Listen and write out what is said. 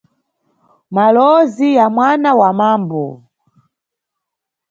Malowozi ya mwana wa mambo.